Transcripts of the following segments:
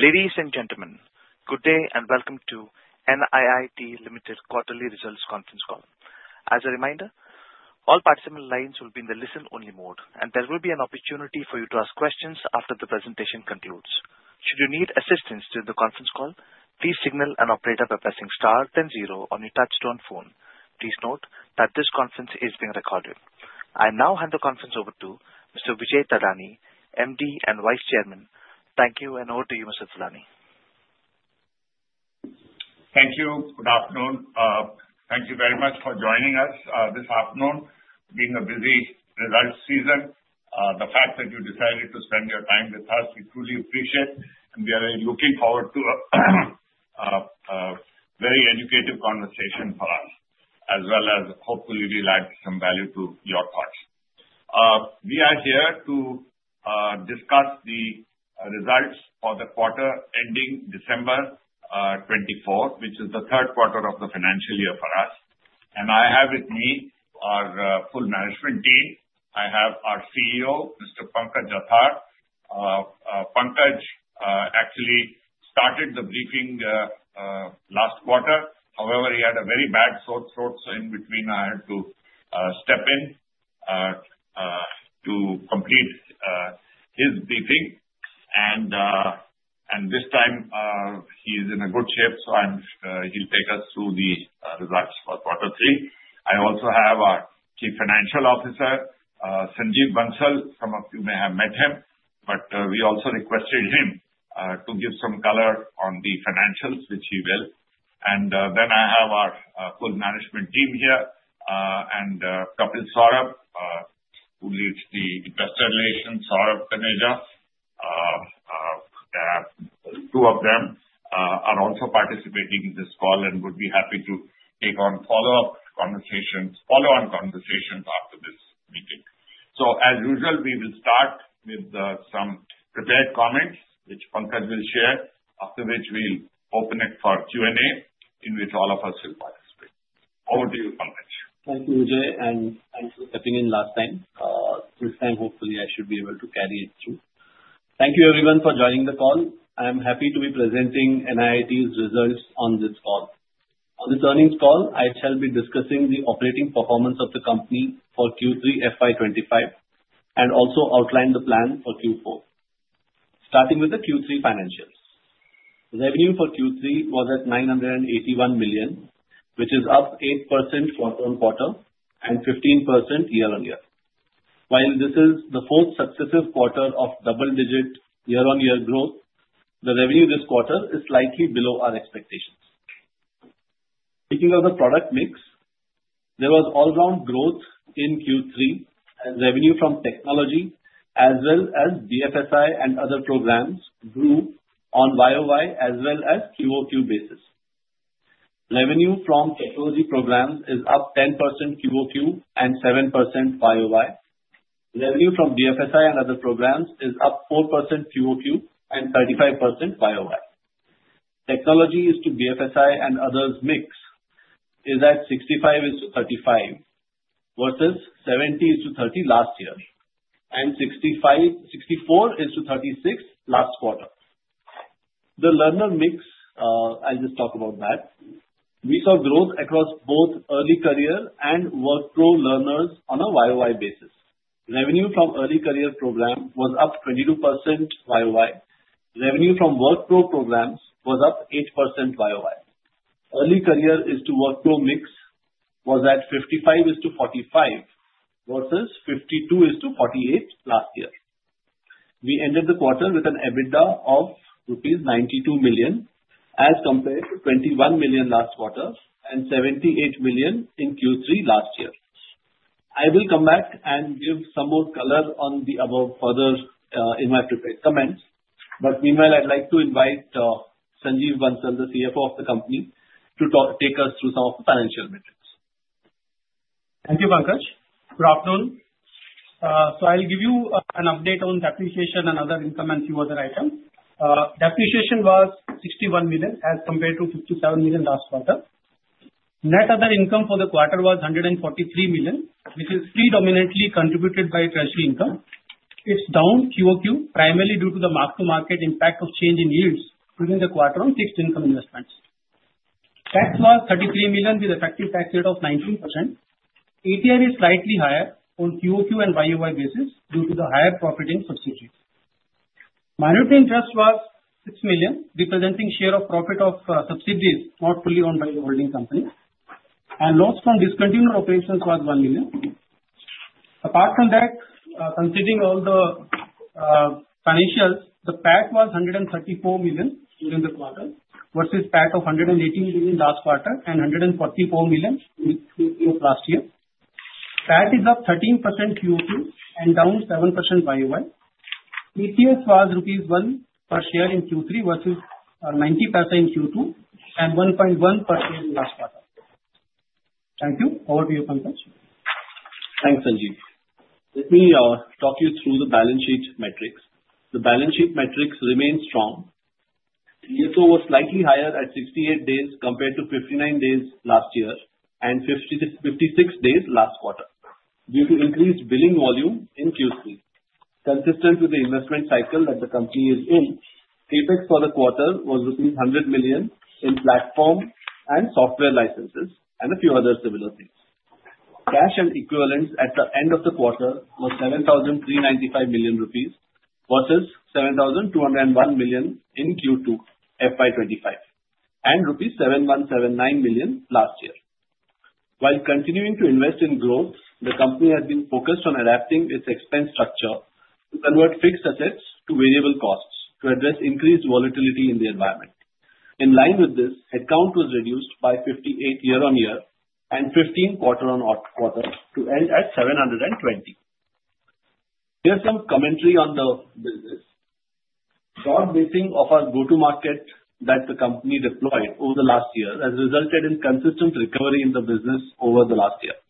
Ladies and gentlemen, good day and welcome to NIIT Limited quarterly results conference call. As a reminder, all participant lines will be in the listen-only mode, and there will be an opportunity for you to ask questions after the presentation concludes. Should you need assistance during the conference call, please press star, then zero on your touch-tone phone. Please note that this conference is being recorded. I now hand the conference over to Mr. Vijay Thadani, MD and Vice Chairman. Thank you, and over to you, Mr. Thadani. Thank you. Good afternoon. Thank you very much for joining us this afternoon. Being a busy results season, the fact that you decided to spend your time with us, we truly appreciate, and we are looking forward to a very educative conversation for us, as well as hopefully we'll add some value to your thoughts. We are here to discuss the results for the quarter ending December 24, which is the third quarter of the financial year for us. I have with me our full management team. I have our CEO, Mr. Pankaj Jathar. Pankaj actually started the briefing last quarter. However, he had a very bad sore throat, so in between I had to step in to complete his briefing. This time he's in good shape, so he'll take us through the results for quarter three. I also have our Chief Financial Officer, Sanjeev Bansal. Some of you may have met him, but we also requested him to give some color on the financials, which he will, and then I have our full management team here, and Kapil Saurabh, who leads the investor relations, Saurabh Taneja; two of them are also participating in this call and would be happy to take on follow-on conversations after this meeting, so, as usual, we will start with some prepared comments, which Pankaj will share, after which we'll open it for Q&A in which all of us will participate. Over to you, Pankaj. Thank you, Vijay, and thanks for stepping in last time. This time, hopefully, I should be able to carry it through. Thank you, everyone, for joining the call. I'm happy to be presenting NIIT's results on this call. On this earnings call, I shall be discussing the operating performance of the company for Q3 FY 2025 and also outline the plan for Q4. Starting with the Q3 financials, revenue for Q3 was at 981 million, which is up 8% quarter-on-quarter and 15% year-on-year. While this is the fourth successive quarter of double-digit year-on-year growth, the revenue this quarter is slightly below our expectations. Speaking of the product mix, there was all-round growth in Q3, and revenue from technology as well as BFSI and other programs grew on YoY as well as QoQ basis. Revenue from technology programs is up 10% QoQ and 7% YoY. Revenue from BFSI and other programs is up 4% QoQ and 35% YoY. Technology is to BFSI and others mix is at 65%-35% versus 70%-30% last year and 64%-36% last quarter. The learner mix, I'll just talk about that, we saw growth across both early career and work pro learners on a YoY basis. Revenue from early career program was up 22% YoY. Revenue from work pro programs was up 8% YoY. Early career is to work pro mix was at 55%-45% versus 52%-48% last year. We ended the quarter with an EBITDA of rupees 92 million as compared to 21 million last quarter and 78 million in Q3 last year. I will come back and give some more color on the above further in my comments, but meanwhile, I'd like to invite Sanjeev Bansal, the CFO of the company, to take us through some of the financial metrics. Thank you, Pankaj. Good afternoon. So I'll give you an update on depreciation and other increments in other items. Depreciation was 61 million as compared to 57 million last quarter. Net other income for the quarter was 143 million, which is predominantly contributed by treasury income. It's down QoQ primarily due to the mark-to-market impact of change in yields during the quarter on fixed income investments. Tax was 33 million with effective tax rate of 19%. ETR is slightly higher on QoQ and YoY basis due to the higher profit in subsidiaries. Minority interest was 6 million, representing share of profit of subsidiaries not fully owned by the holding company. And loss from discontinued operations was 1 million. Apart from that, considering all the financials, the PAT was 134 million during the quarter versus PAT of 118 million last quarter and 144 million last year. PAT is up 13% QoQ and down 7% YoY. EPS was rupees 1 per share in Q3 versus 0.90 in Q2 and 1.1 last quarter. Thank you. Over to you, Pankaj. Thanks, Sanjeev. Let me talk you through the balance sheet metrics. The balance sheet metrics remain strong. DSO was slightly higher at 68 days compared to 59 days last year and 56 days last quarter due to increased billing volume in Q3. Consistent with the investment cycle that the company is in, Capex for the quarter was rupees 100 million in platform and software licenses and a few other similar things. Cash and equivalents at the end of the quarter was 7,395 million rupees versus 7,201 million in Q2 FY 2025 and rupees 7,179 million last year. While continuing to invest in growth, the company has been focused on adapting its expense structure to convert fixed assets to variable costs to address increased volatility in the environment. In line with this, headcount was reduced by 58 year-on-year and 15 quarter-on-quarter to end at 720. Here's some commentary on the business. Broadening of our go-to-market that the company deployed over the last year has resulted in consistent recovery in the business over the last year.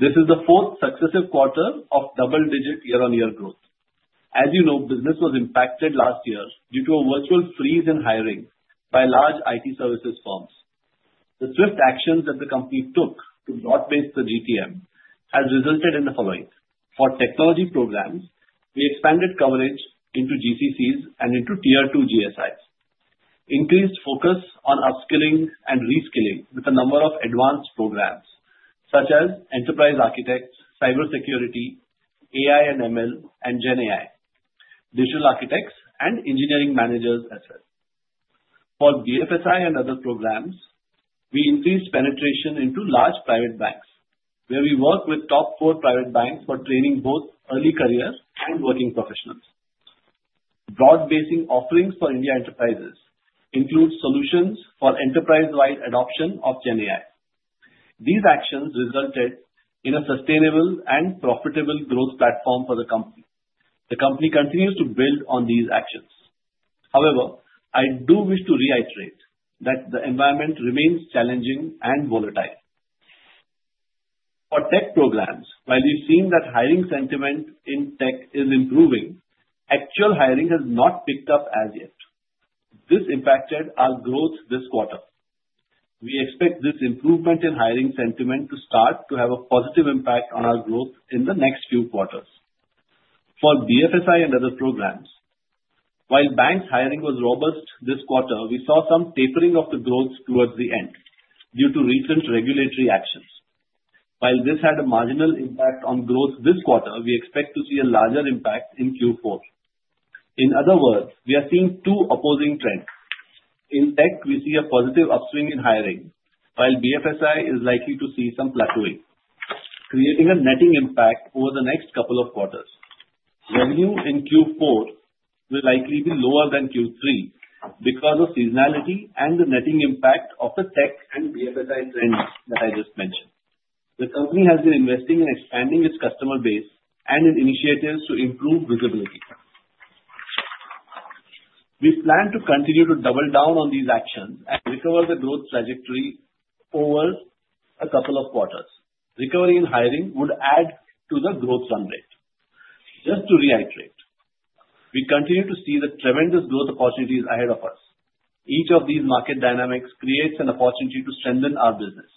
This is the fourth successive quarter of double-digit year-on-year growth. As you know, business was impacted last year due to a virtual freeze in hiring by large IT services firms. The swift actions that the company took to broad-base the GTM has resulted in the following. For technology programs, we expanded coverage into GCCs and into tier two GSIs. Increased focus on upskilling and reskilling with a number of advanced programs such as enterprise architects, cybersecurity, AI and ML, and GenAI, digital architects, and engineering managers as well. For BFSI and other programs, we increased penetration into large private banks where we work with top four private banks for training both early career and working professionals. Broad-basing offerings for Indian enterprises include solutions for enterprise-wide adoption of GenAI. These actions resulted in a sustainable and profitable growth platform for the company. The company continues to build on these actions. However, I do wish to reiterate that the environment remains challenging and volatile. For tech programs, while we've seen that hiring sentiment in tech is improving, actual hiring has not picked up as yet. This impacted our growth this quarter. We expect this improvement in hiring sentiment to start to have a positive impact on our growth in the next few quarters. For BFSI and other programs, while banks' hiring was robust this quarter, we saw some tapering of the growth towards the end due to recent regulatory actions. While this had a marginal impact on growth this quarter, we expect to see a larger impact in Q4. In other words, we are seeing two opposing trends. In tech, we see a positive upswing in hiring, while BFSI is likely to see some plateauing, creating a netting impact over the next couple of quarters. Revenue in Q4 will likely be lower than Q3 because of seasonality and the netting impact of the tech and BFSI trends that I just mentioned. The company has been investing in expanding its customer base and in initiatives to improve visibility. We plan to continue to double down on these actions and recover the growth trajectory over a couple of quarters. Recovery in hiring would add to the growth run rate. Just to reiterate, we continue to see the tremendous growth opportunities ahead of us. Each of these market dynamics creates an opportunity to strengthen our business.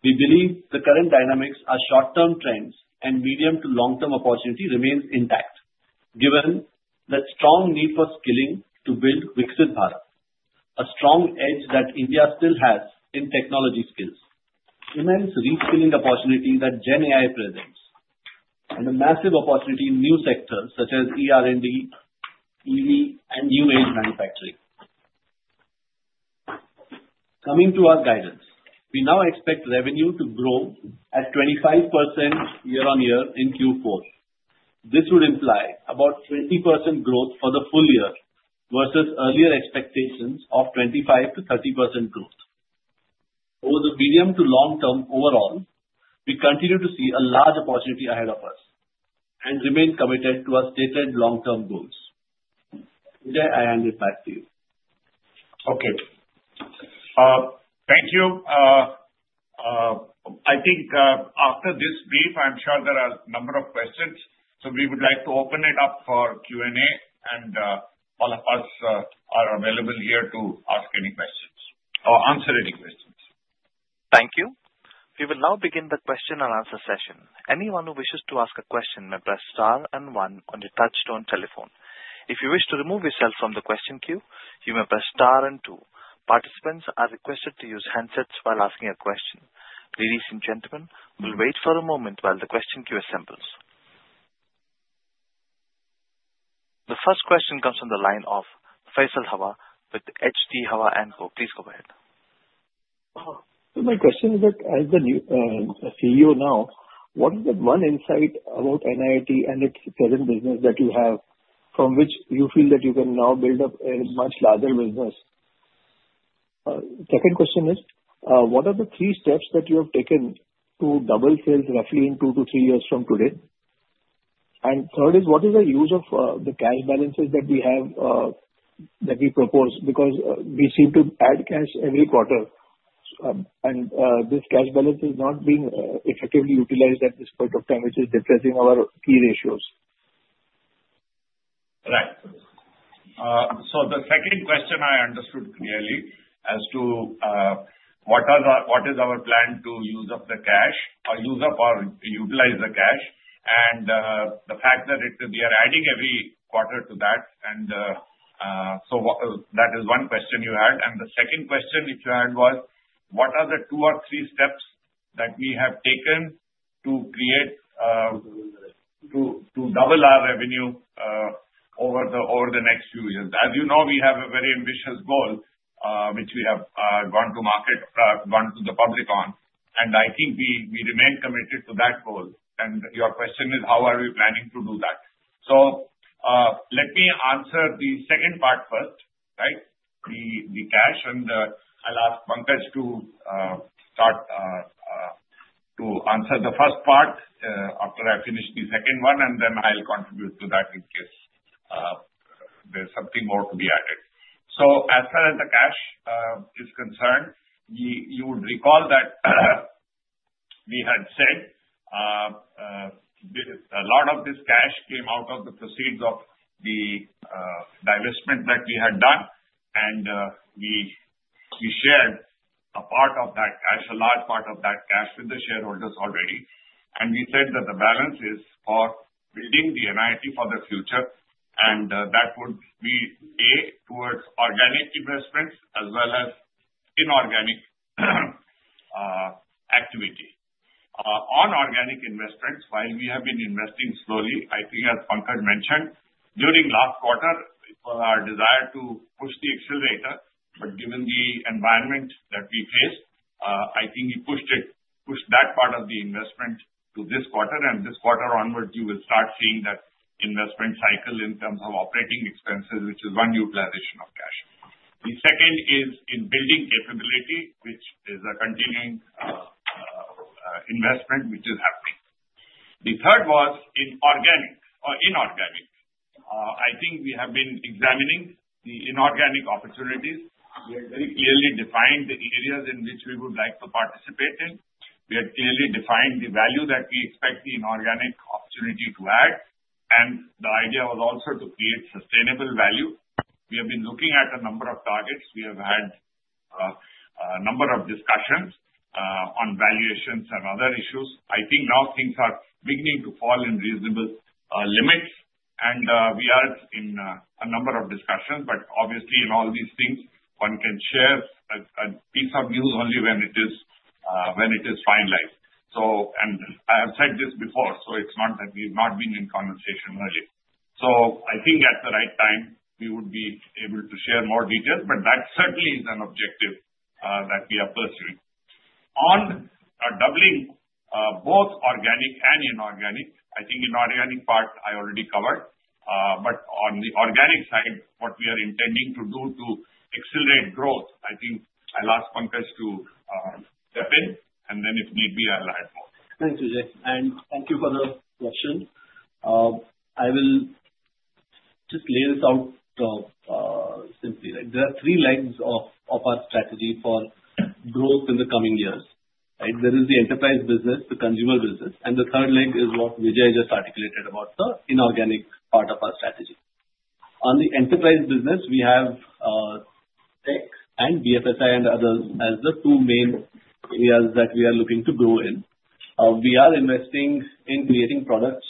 We believe the current dynamics are short-term trends and medium to long-term opportunity remains intact given the strong need for skilling to build Viksit Bharat, a strong edge that India still has in technology skills. Immense reskilling opportunity that GenAI presents and a massive opportunity in new sectors such as ER&D, EV, and new age manufacturing. Coming to our guidance, we now expect revenue to grow at 25% year-on-year in Q4. This would imply about 20% growth for the full year versus earlier expectations of 25%-30% growth. Over the medium to long term overall, we continue to see a large opportunity ahead of us and remain committed to our stated long-term goals. Vijay, I hand it back to you. Okay. Thank you. I think after this brief, I'm sure there are a number of questions, so we would like to open it up for Q&A, and all of us are available here to ask any questions or answer any questions. Thank you. We will now begin the question and answer session. Anyone who wishes to ask a question may press star and one on your touch-tone telephone. If you wish to remove yourself from the question queue, you may press star and two. Participants are requested to use handsets while asking a question. Ladies and gentlemen, we'll wait for a moment while the question queue assembles. The first question comes from the line of Faisal Hawa with H.G. Hawa & Co. Please go ahead. My question is that as the new CEO now, what is that one insight about NIIT and its present business that you have from which you feel that you can now build up a much larger business? Second question is, what are the three steps that you have taken to double sales roughly in two to three years from today? And third is, what is the use of the cash balances that we propose? Because we seem to add cash every quarter, and this cash balance is not being effectively utilized at this point of time, which is depressing our key ratios. Right, so the second question I understood clearly as to what is our plan to use up the cash or use up or utilize the cash, and the fact that we are adding every quarter to that, and so that is one question you had, and the second question which you had was, what are the two or three steps that we have taken to double our revenue over the next few years? As you know, we have a very ambitious goal which we have gone to market, gone to the public on, and I think we remain committed to that goal, and your question is, how are we planning to do that? So let me answer the second part first, right, the cash, and I'll ask Pankaj to start to answer the first part after I finish the second one, and then I'll contribute to that in case there's something more to be added. So as far as the cash is concerned, you would recall that we had said a lot of this cash came out of the proceeds of the divestment that we had done, and we shared a part of that cash, a large part of that cash with the shareholders already. And we said that the balance is for building the NIIT for the future, and that would be A, towards organic investments as well as inorganic activity. On organic investments, while we have been investing slowly, I think as Pankaj mentioned, during last quarter, it was our desire to push the accelerator, but given the environment that we faced, I think we pushed that part of the investment to this quarter, and this quarter onward, you will start seeing that investment cycle in terms of operating expenses, which is one utilization of cash. The second is in building capability, which is a continuing investment which is happening. The third was in organic or inorganic. I think we have been examining the inorganic opportunities. We have very clearly defined the areas in which we would like to participate in. We have clearly defined the value that we expect the inorganic opportunity to add, and the idea was also to create sustainable value. We have been looking at a number of targets. We have had a number of discussions on valuations and other issues. I think now things are beginning to fall in reasonable limits, and we are in a number of discussions, but obviously, in all these things, one can share a piece of news only when it is finalized, and I have said this before, so it's not that we've not been in conversation earlier, so I think at the right time, we would be able to share more details, but that certainly is an objective that we are pursuing. On doubling both organic and inorganic, I think inorganic part I already covered, but on the organic side, what we are intending to do to accelerate growth, I think I'll ask Pankaj to step in, and then if need be, I'll add more. Thank you, Vijay, and thank you for the question. I will just lay this out simply. There are three legs of our strategy for growth in the coming years. There is the enterprise business, the consumer business, and the third leg is what Vijay just articulated about the inorganic part of our strategy. On the enterprise business, we have tech and DFSI and others as the two main areas that we are looking to grow in. We are investing in creating products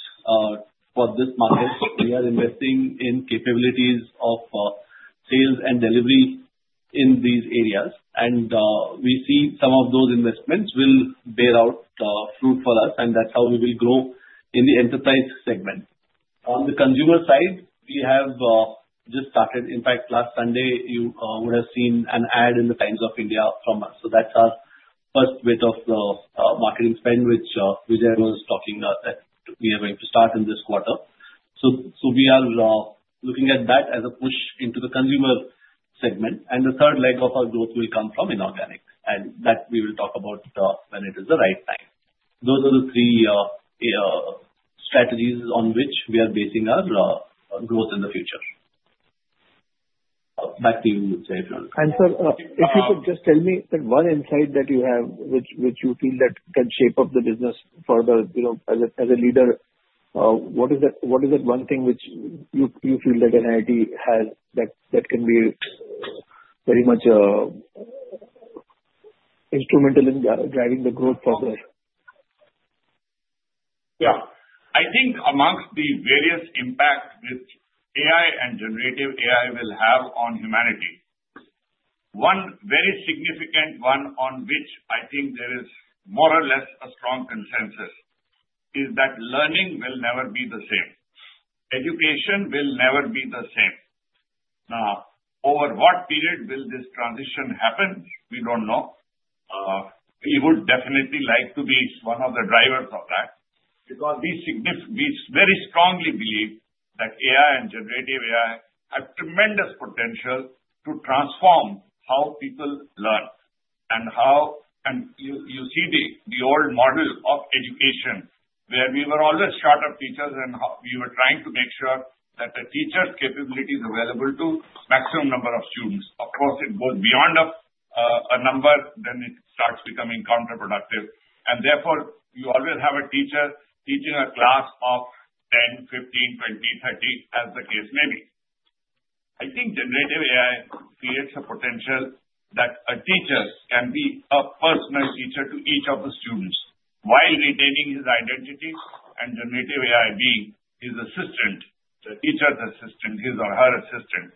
for this market. We are investing in capabilities of sales and delivery in these areas, and we see some of those investments will bear out fruit for us, and that's how we will grow in the enterprise segment. On the consumer side, we have just started. In fact, last Sunday, you would have seen an ad in The Times of India from us. So that's our first bit of the marketing spend, which Vijay was talking that we are going to start in this quarter. So we are looking at that as a push into the consumer segment, and the third leg of our growth will come from inorganic, and that we will talk about when it is the right time. Those are the three strategies on which we are basing our growth in the future. Back to you, Vijay, if you want to continue. Sir, if you could just tell me that one insight that you have which you feel that can shape up the business further as a leader, what is that one thing which you feel that NIIT has that can be very much instrumental in driving the growth further? Yeah. I think among the various impacts which AI and generative AI will have on humanity, one very significant one on which I think there is more or less a strong consensus is that learning will never be the same. Education will never be the same. Now, over what period will this transition happen? We don't know. We would definitely like to be one of the drivers of that because we very strongly believe that AI and generative AI have tremendous potential to transform how people learn. And you see the old model of education where we were always short of teachers, and we were trying to make sure that the teacher's capability is available to a maximum number of students. Of course, it goes beyond a number, then it starts becoming counterproductive. And therefore, you always have a teacher teaching a class of 10, 15, 20, 30, as the case may be. I think generative AI creates a potential that a teacher can be a personal teacher to each of the students while retaining his identity and generative AI being his assistant, the teacher's assistant, his or her assistant,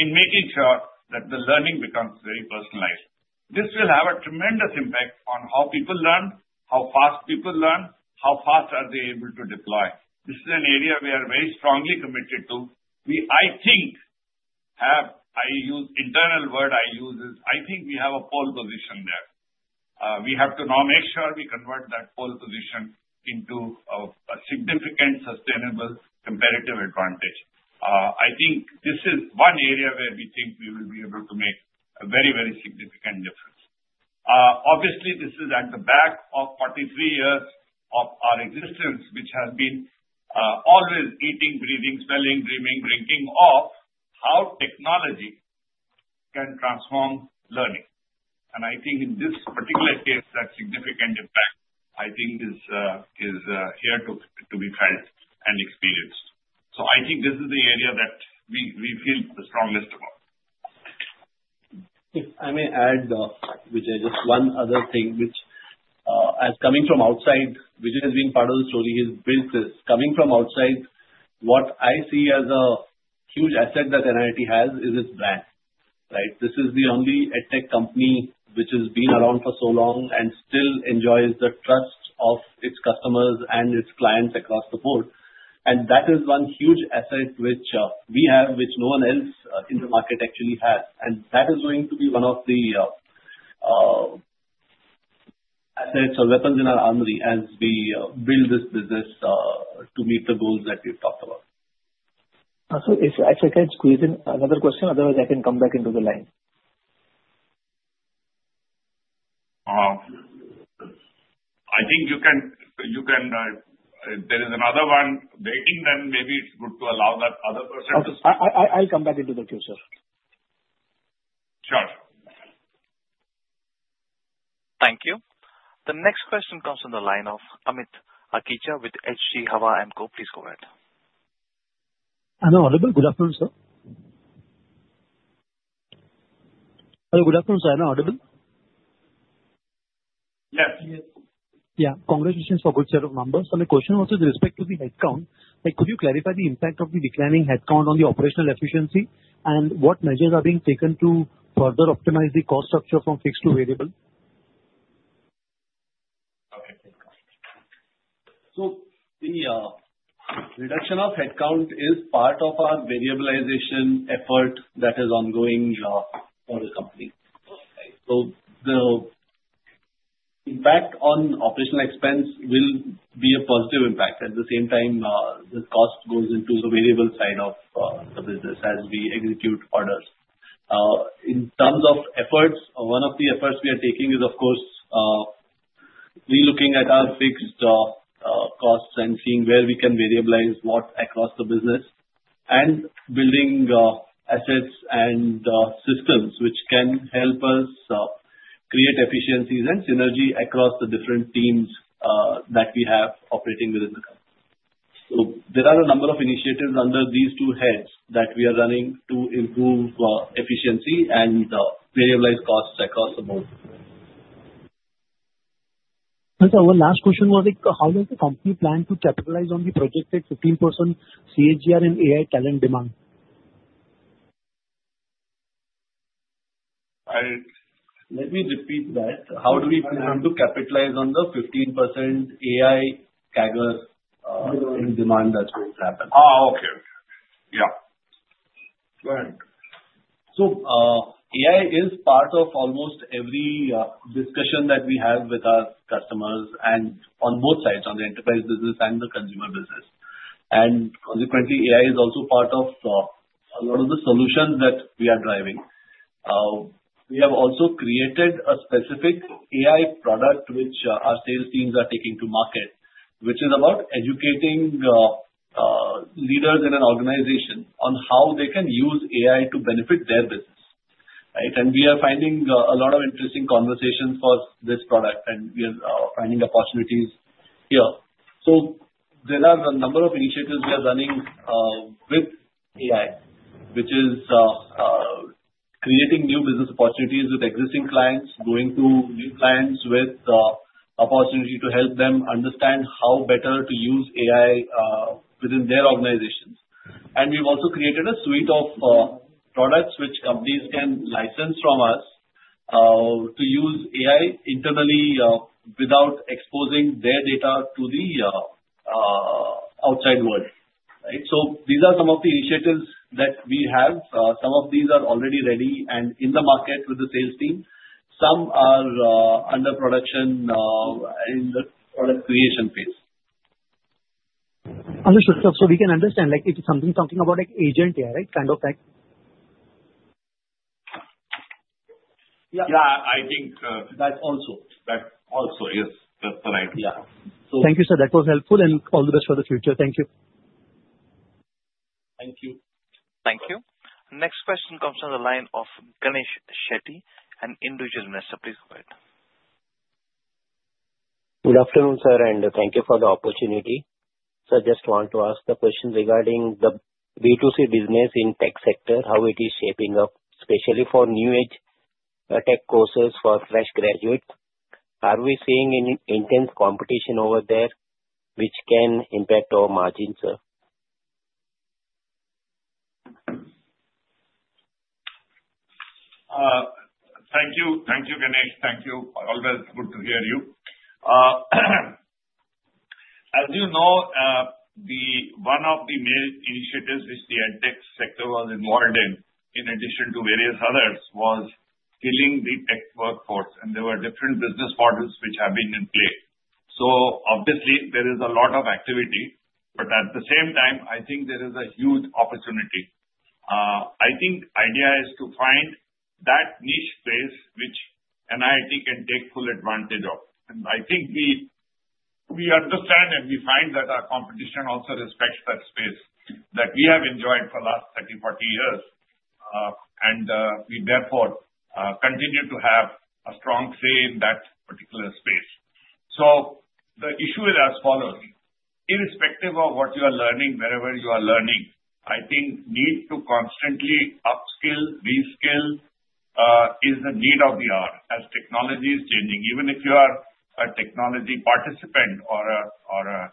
in making sure that the learning becomes very personalized. This will have a tremendous impact on how people learn, how fast people learn, how fast are they able to deploy. This is an area we are very strongly committed to. I think I use the internal word I use is I think we have a pole position there. We have to now make sure we convert that pole position into a significant sustainable competitive advantage. I think this is one area where we think we will be able to make a very, very significant difference. Obviously, this is at the back of 43 years of our existence, which has been always eating, breathing, smelling, dreaming, drinking off how technology can transform learning. And I think in this particular case, that significant impact, I think, is here to be felt and experienced. So I think this is the area that we feel the strongest about. I may add, Vijay, just one other thing, which, as coming from outside, Vijay has been part of the story. He's built this. Coming from outside, what I see as a huge asset that NIIT has is its brand, right? This is the only EdTech company which has been around for so long and still enjoys the trust of its customers and its clients across the board. And that is one huge asset which we have, which no one else in the market actually has. And that is going to be one of the assets or weapons in our armory as we build this business to meet the goals that we've talked about. So if I can squeeze in another question, otherwise I can come back into the line. I think you can. There is another one. Waiting, then maybe it's good to allow that other person to speak. I'll come back into the queue, sir. Sure. Thank you. The next question comes from the line of Amit Agicha with H.G. Hawa & Co. Please go ahead. Hello, audible. Good afternoon, sir. Hello, good afternoon, sir. Am I audible? Yes. Yeah. Congratulations for a good set of numbers. So my question was with respect to the headcount. Could you clarify the impact of the declining headcount on the operational efficiency, and what measures are being taken to further optimize the cost structure from fixed to variable? Okay. So the reduction of headcount is part of our variabilization effort that is ongoing for the company. So the impact on operational expense will be a positive impact. At the same time, the cost goes into the variable side of the business as we execute orders. In terms of efforts, one of the efforts we are taking is, of course, re-looking at our fixed costs and seeing where we can variabilize what across the business and building assets and systems which can help us create efficiencies and synergy across the different teams that we have operating within the company. So there are a number of initiatives under these two heads that we are running to improve efficiency and variabilize costs across the board. Our last question was, how does the company plan to capitalize on the projected 15% CAGR in AI talent demand? Let me repeat that. How do we plan to capitalize on the 15% AI CAGR in demand that will happen? Okay. Yeah. Go ahead. So AI is part of almost every discussion that we have with our customers and on both sides, on the enterprise business and the consumer business. And consequently, AI is also part of a lot of the solutions that we are driving. We have also created a specific AI product which our sales teams are taking to market, which is about educating leaders in an organization on how they can use AI to benefit their business. And we are finding a lot of interesting conversations for this product, and we are finding opportunities here. There are a number of initiatives we are running with AI, which is creating new business opportunities with existing clients, going to new clients with the opportunity to help them understand how better to use AI within their organizations. We've also created a suite of products which companies can license from us to use AI internally without exposing their data to the outside world. These are some of the initiatives that we have. Some of these are already ready and in the market with the sales team. Some are under production in the product creation phase. Understood. So we can understand if it's something talking about an agent here, right? Kind of like. Yeah. I think that also is. That's the right one. Thank you, sir. That was helpful, and all the best for the future. Thank you. Thank you. Thank you. Next question comes from the line of Ganesh Shetty, an individual investor. Please go ahead. Good afternoon, sir, and thank you for the opportunity. So I just want to ask the question regarding the B2C business in the tech sector, how it is shaping up, especially for new-age tech courses for fresh graduates. Are we seeing any intense competition over there which can impact our margins, sir? Thank you. Thank you, Ganesh. Thank you. Always good to hear you. As you know, one of the main initiatives which the edtech sector was involved in, in addition to various others, was skilling the tech workforce. And there were different business models which have been in play. So obviously, there is a lot of activity, but at the same time, I think there is a huge opportunity. I think the idea is to find that niche space which NIIT can take full advantage of. And I think we understand and we find that our competition also respects that space that we have enjoyed for the last 30, 40 years, and we therefore continue to have a strong say in that particular space. So the issue is as follows. Irrespective of what you are learning, wherever you are learning, I think the need to constantly upskill, reskill is the need of the hour as technology is changing. Even if you are a technology participant or a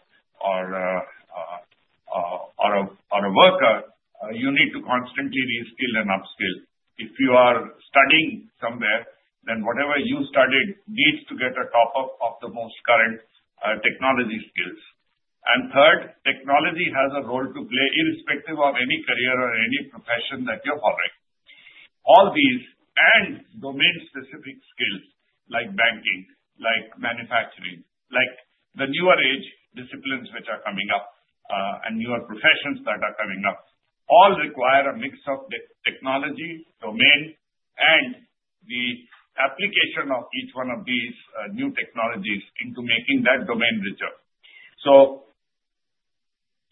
worker, you need to constantly reskill and upskill. If you are studying somewhere, then whatever you studied needs to get on top of the most current technology skills, and third, technology has a role to play irrespective of any career or any profession that you're following. All these and domain-specific skills like banking, like manufacturing, like the newer age disciplines which are coming up and newer professions that are coming up all require a mix of technology, domain, and the application of each one of these new technologies into making that domain richer, so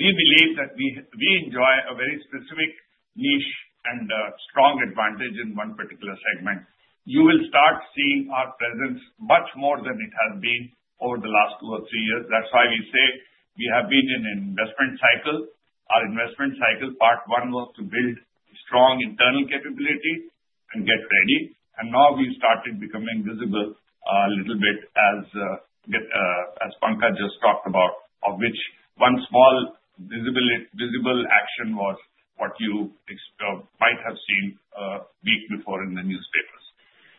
we believe that we enjoy a very specific niche and strong advantage in one particular segment. You will start seeing our presence much more than it has been over the last two or three years. That's why we say we have been in an investment cycle. Our investment cycle part one was to build strong internal capability and get ready. And now we've started becoming visible a little bit as Pankaj just talked about, of which one small visible action was what you might have seen a week before in the newspapers.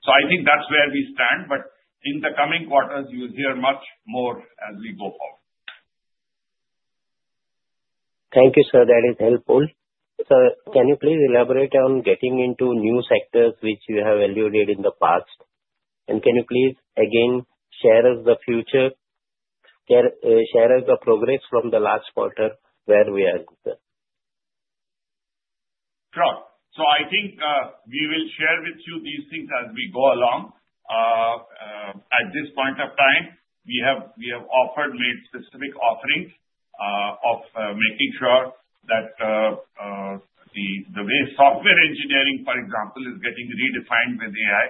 So I think that's where we stand. But in the coming quarters, you will hear much more as we go forward. Thank you, sir. That is helpful. Sir, can you please elaborate on getting into new sectors which you have evaluated in the past? And can you please again share us the future, share us the progress from the last quarter where we are? Sure, so I think we will share with you these things as we go along. At this point of time, we have made specific offerings of making sure that the way software engineering, for example, is getting redefined with AI,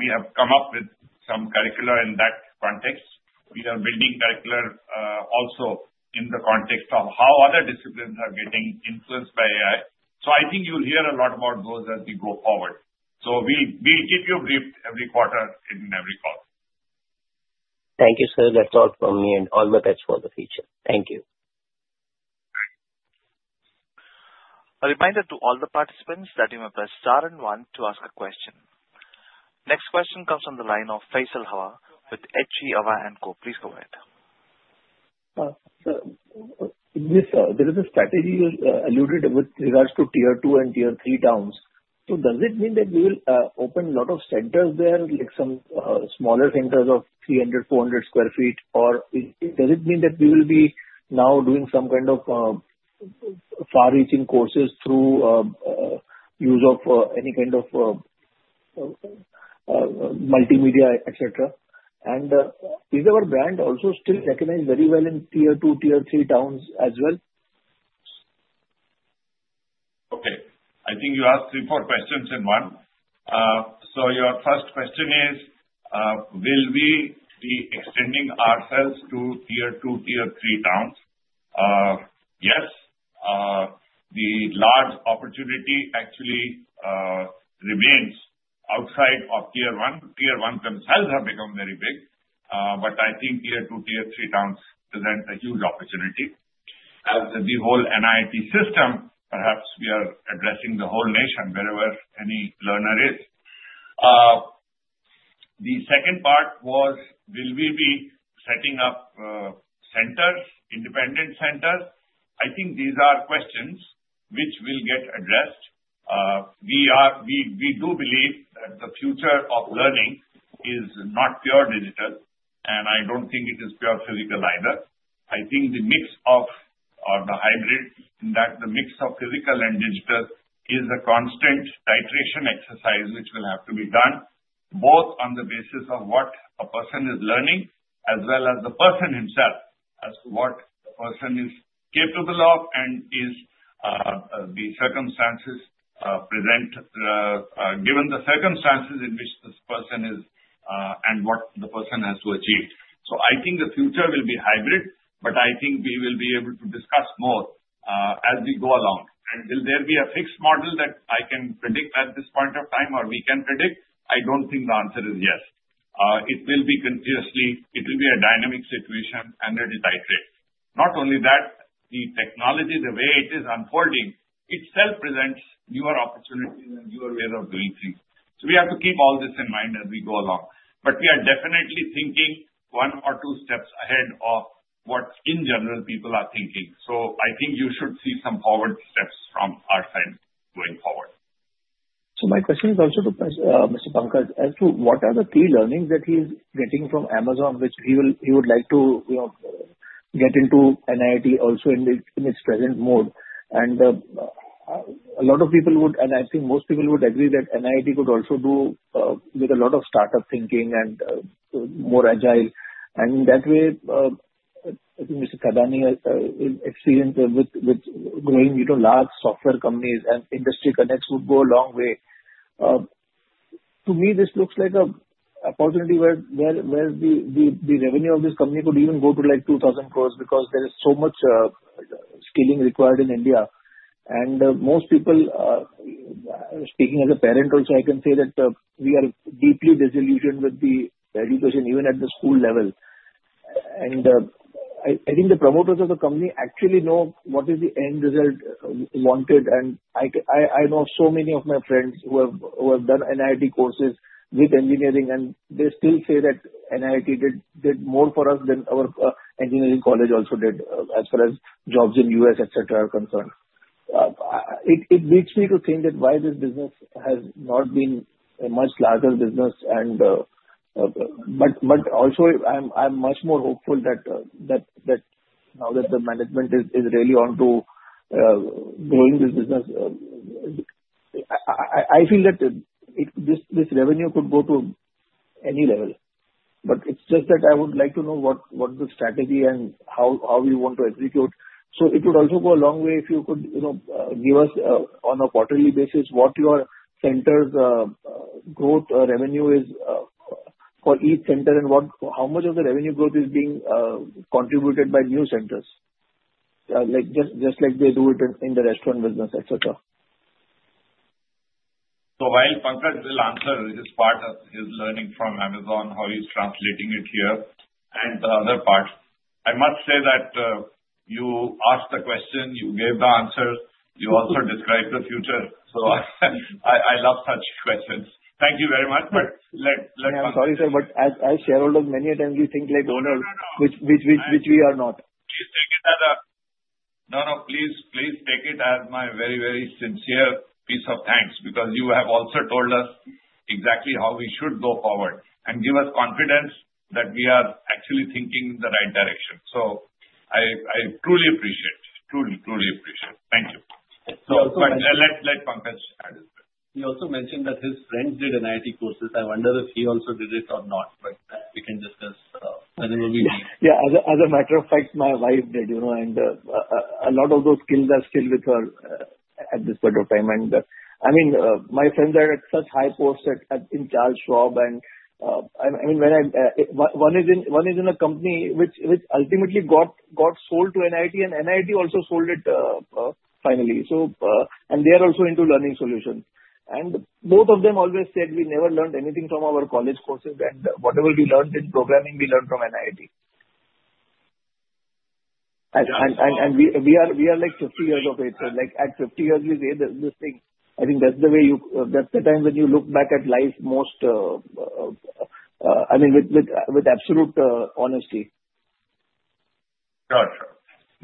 we have come up with some curricula in that context. We are building curricula also in the context of how other disciplines are getting influenced by AI. So I think you'll hear a lot about those as we go forward. So we'll keep you briefed every quarter in every call. Thank you, sir. That's all from me and all my best for the future. Thank you. A reminder to all the participants that you may press star and one to ask a question. Next question comes from the line of Faisal Hawa with H.G. Hawa & Co. Please go ahead. Yes, sir. There is a strategy you alluded with regards to tier two and tier three towns. So does it mean that we will open a lot of centers there, like some smaller centers of 300-400 sq ft? Or does it mean that we will be now doing some kind of far-reaching courses through use of any kind of multimedia, etc.? And is our brand also still recognized very well in tier two, tier three towns as well? Okay. I think you asked three or four questions in one. So your first question is, will we be extending ourselves to tier two, tier three towns? Yes. The large opportunity actually remains outside of tier one. Tier one themselves have become very big. But I think tier two, tier three towns present a huge opportunity. As the whole NIIT system, perhaps we are addressing the whole nation wherever any learner is. The second part was, will we be setting up centers, independent centers? I think these are questions which will get addressed. We do believe that the future of learning is not pure digital, and I don't think it is pure physical either. I think the mix of the hybrid, the mix of physical and digital is a constant titration exercise which will have to be done both on the basis of what a person is learning as well as the person himself, as to what the person is capable of and the circumstances present, given the circumstances in which this person is and what the person has to achieve. I think the future will be hybrid, but I think we will be able to discuss more as we go along. Will there be a fixed model that I can predict at this point of time or we can predict? I don't think the answer is yes. It will be continuously a dynamic situation and it will titrate. Not only that, the technology, the way it is unfolding, itself presents newer opportunities and newer ways of doing things. So we have to keep all this in mind as we go along. But we are definitely thinking one or two steps ahead of what in general people are thinking. So I think you should see some forward steps from our side going forward. So my question is also to Mr. Pankaj as to what are the key learnings that he is getting from Amazon which he would like to get into NIIT also in its present mode. And a lot of people would, and I think most people would agree that NIIT could also do with a lot of startup thinking and more agile. And in that way, I think Mr. Thadani's experience with growing large software companies and industry connects would go a long way. To me, this looks like an opportunity where the revenue of this company could even go to like 2,000 crores because there is so much skilling required in India. And most people, speaking as a parent also, I can say that we are deeply disillusioned with the education even at the school level. I think the promoters of the company actually know what is the end result wanted. I know of so many of my friends who have done NIIT courses with engineering, and they still say that NIIT did more for us than our engineering college also did as far as jobs in the U.S., etc., are concerned. It beats me to think that why this business has not been a much larger business. Also, I'm much more hopeful that now that the management is really on to growing this business, I feel that this revenue could go to any level. It's just that I would like to know what the strategy and how we want to execute. It would also go a long way if you could give us on a quarterly basis what your center's growth revenue is for each center and how much of the revenue growth is being contributed by new centers, just like they do it in the restaurant business, etc. So while Pankaj will answer this part of his learning from Amazon, how he's translating it here, and the other part, I must say that you asked the question, you gave the answers, you also described the future. So I love such questions. Thank you very much. But let's. Yeah. Sorry, sir. But as shareholders, many times we think like owners, which we are not. Please take it as a no, no. Please take it as my very, very sincere piece of thanks because you have also told us exactly how we should go forward and give us confidence that we are actually thinking in the right direction. So I truly appreciate it. Truly, truly appreciate it. Thank you. But let Pankaj add as well. He also mentioned that his friends did NIIT courses. I wonder if he also did it or not, but we can discuss whenever we need. Yeah. As a matter of fact, my wife did, and a lot of those skills are still with her at this point of time, and I mean, my friends are at such high posts in charge job, and I mean, one is in a company which ultimately got sold to NIIT, and NIIT also sold it finally, and they are also into learning solutions, and both of them always said, "We never learned anything from our college courses, and whatever we learned in programming, we learned from NIIT," and we are like 50 years of age, so at 50 years, we say this thing. I think that's the way you that's the time when you look back at life most, I mean, with absolute honesty. Gotcha.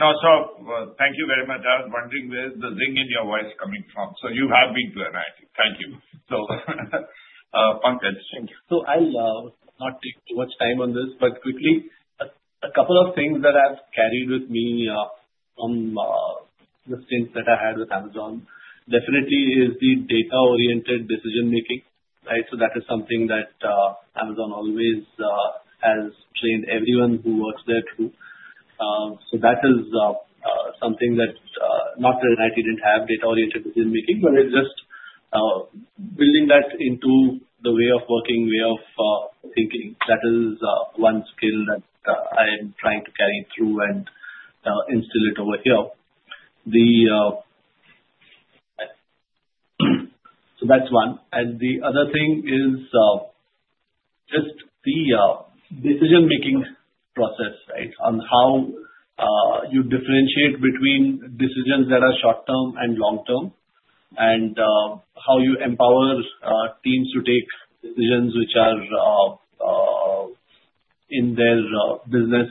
No, sir, thank you very much. I was wondering where's the zing in your voice coming from? So you have been to NIIT. Thank you. So Pankaj. Thank you. So I'll not take too much time on this, but quickly, a couple of things that I've carried with me from the stints that I had with Amazon definitely is the data-oriented decision-making, right? So that is something that Amazon always has trained everyone who works there to do. So that is something that not that NIIT didn't have data-oriented decision-making, but it's just building that into the way of working, way of thinking. That is one skill that I am trying to carry through and instill it over here. So that's one. And the other thing is just the decision-making process, right, on how you differentiate between decisions that are short-term and long-term and how you empower teams to take decisions which are in their business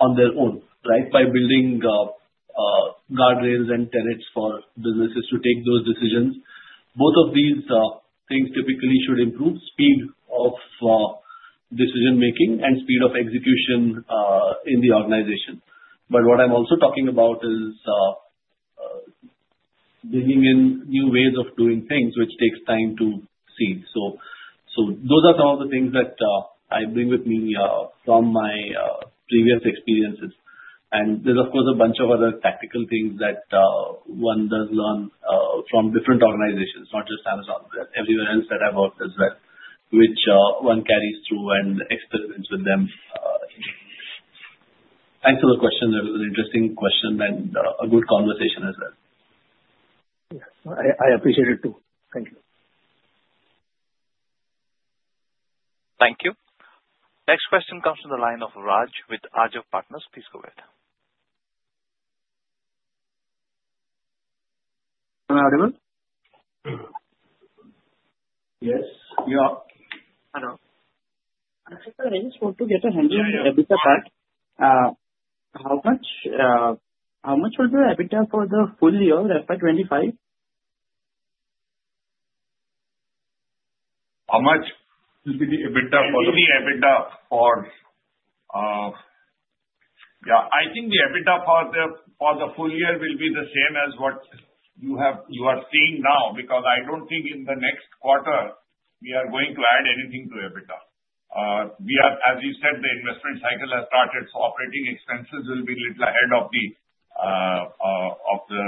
on their own, right, by building guardrails and tenets for businesses to take those decisions. Both of these things typically should improve speed of decision-making and speed of execution in the organization. But what I'm also talking about is bringing in new ways of doing things which takes time to see. So those are some of the things that I bring with me from my previous experiences. And there's, of course, a bunch of other tactical things that one does learn from different organizations, not just Amazon, but everywhere else that I've worked as well, which one carries through and experiments with them. Thanks for the question. That was an interesting question and a good conversation as well. Yes. I appreciate it too. Thank you. Thank you. Next question comes from the line of Raj with Arjav Partners. Please go ahead. Hello, everyone. Yes. Yeah. Hello. I just want to get a handle on the EBITDA part. How much will the EBITDA for the full year, FY 2025? How much will be the EBITDA for the? The EBITDA for, yeah. I think the EBITDA for the full year will be the same as what you are seeing now because I don't think in the next quarter we are going to add anything to EBITDA. As you said, the investment cycle has started, so operating expenses will be a little ahead of the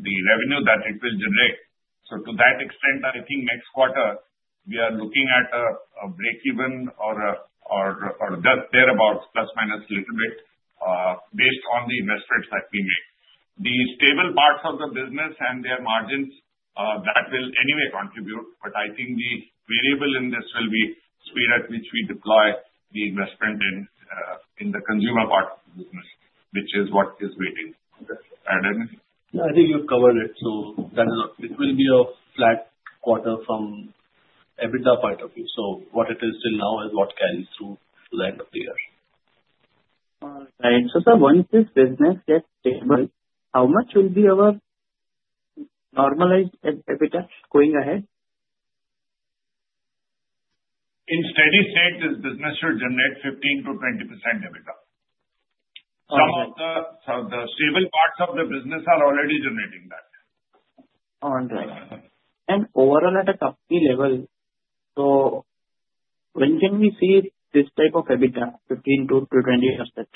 revenue that it will generate. So to that extent, I think next quarter we are looking at a break-even or just thereabouts, plus minus a little bit, based on the investments that we make. The stable parts of the business and their margins, that will anyway contribute. But I think the variable in this will be the speed at which we deploy the investment in the consumer part of the business, which is what is waiting. Yeah. I think you've covered it. So it will be a flat quarter from EBITDA point of view. So what it is till now is what carries through to the end of the year. All right. So sir, once this business gets stable, how much will be our normalized EBITDA going ahead? In steady state, this business should generate 15%-20% EBITDA. Some of the stable parts of the business are already generating that. All right. And overall at a company level, so when can we see this type of EBITDA, 15%-20%?